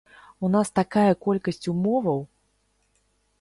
У нас такая колькасць умоваў!